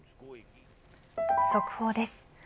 速報です。